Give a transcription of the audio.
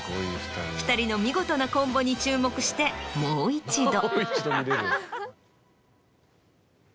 ２人の見事なコンボに注目してもう一度。